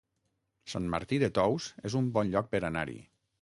Sant Martí de Tous es un bon lloc per anar-hi